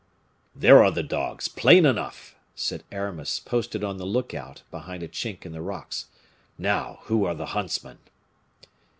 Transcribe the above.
"There are the dogs, plain enough!" said Aramis, posted on the look out behind a chink in the rocks; "now, who are the huntsmen?"